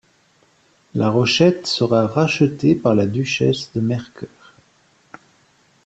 La Rochette sera racheté par la duchesse de Mercœur.